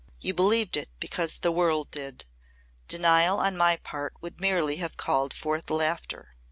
You believed it because the world did. Denial on my part would merely have called forth laughter.